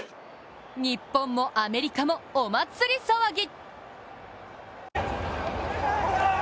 日本もアメリカもお祭り騒ぎ。